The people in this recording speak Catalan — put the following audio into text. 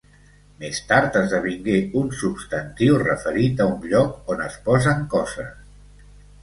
Més tard, esdevingué un substantiu referit a un lloc on es posen coses.